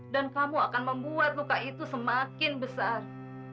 dan kamu akan membuat luka itu semakin besar